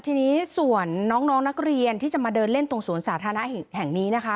ทีนี้ส่วนน้องนักเรียนที่จะมาเดินเล่นตรงสวนสาธารณะแห่งนี้นะคะ